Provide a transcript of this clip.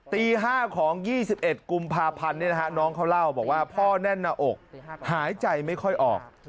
ตี๕ของ๒๑กุมภาพันธ์น้องเขาเล่าบอกว่าพ่อแน่นหน้าอกหายใจไม่ค่อยออก